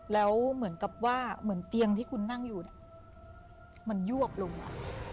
แล้วเหมือนกับว่าเหมือนเตียงที่คุณนั่งอยู่เนี่ยมันยวบลงอ่ะ